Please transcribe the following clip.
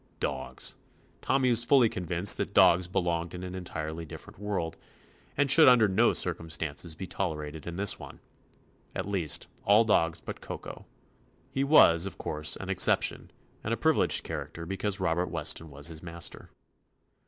Dogs! Tommy was fully convinced that dogs belonged in an entirely dif ferent world, and should under no cir cumstances be tolerated in this one, — at least, all dogs but Koko; he was, of course, an exception, and a privi 66 TOMMY POSTOFFICE leged character because Robert Wes ton was his master.